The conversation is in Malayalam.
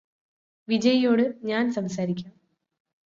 വിജയിയോട് ഞാന് സംസാരിക്കാം